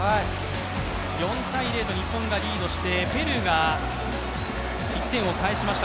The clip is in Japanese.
４−０と日本がリードしてペルーが１点を返しました。